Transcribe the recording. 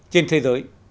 trên thế giới